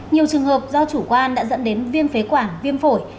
nhiều trường hợp do chủ quan đã dẫn đến viêm phế quản viêm phổi